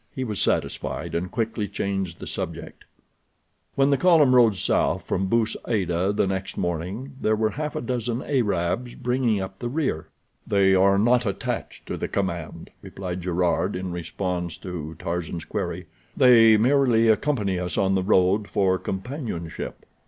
He was satisfied, and quickly changed the subject. When the column rode south from Bou Saada the next morning there were half a dozen Arabs bringing up the rear. "They are not attached to the command," replied Gerard in response to Tarzan's query. "They merely accompany us on the road for companionship."